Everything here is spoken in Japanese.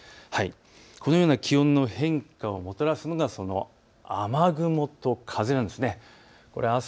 このような気温の変化をもたらすのが雨雲と風なんです。